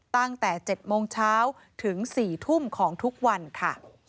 ตั้งแต่๗โมงเช้าถึง๔ทุ่มของทุกวันค่ะ